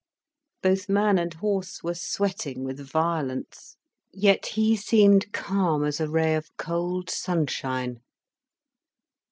Both man and horse were sweating with violence. Yet he seemed calm as a ray of cold sunshine.